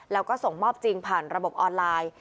แล้วก็ส่งมอบจริงผ่านระบบออนไลน์